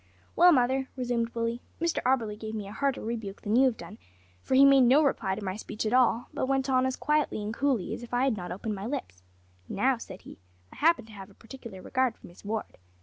"Well, mother," resumed Willie, "Mr Auberly gave me a harder rebuke than you have done, for he made no reply to my speech at all, but went on as quietly and coolly as if I had not opened my lips. `Now,' said he, `I happen to have a particular regard for Miss Ward.